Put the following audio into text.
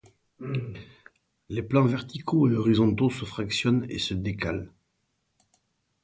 Les plans verticaux et horizontaux se fractionnent et se décalent.